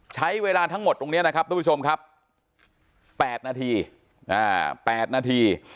ใช้เวลาทั้งหมดตรงเนี้ยนะครับผู้ชมครับแปดนาทีอ่าแปดนาที